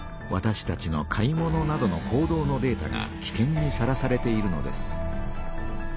わたしたちの買い物などの行動のデータがきけんにさらされているのです。